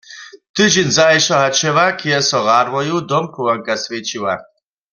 Tydźeń zašo hač hewak je so w Radworju domchowanka swjećiła.